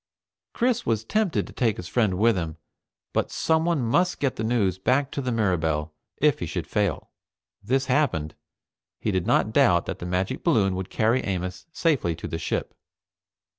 Chris was tempted to take his friend with him but someone must get the news back to the Mirabelle if he should fail. If this happened, he did not doubt but that the magic balloon would carry Amos safely to the ship.